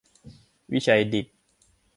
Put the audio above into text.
วิชัยดิษฐ